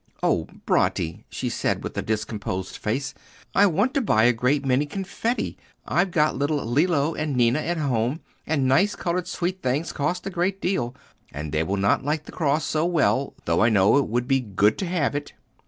"Oh, Bratti," she said, with a discomposed face, "I want to buy a great many confetti: I've got little Lillo and Ninna at home. And nice coloured sweet things cost a great deal. And they will not like the cross so well, though I know it would be good to have it."